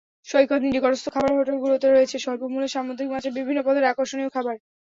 সৈকতের নিকটস্থ খাবারের হোটেলগুলোতে রয়েছে স্বল্পমূল্যে সামুদ্রিক মাছের বিভিন্ন পদের আকর্ষণীয় খাবার।